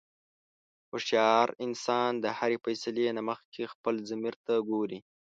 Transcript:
هوښیار انسان د هرې فیصلې نه مخکې خپل ضمیر ته ګوري.